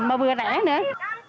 mà vừa rẻ nữa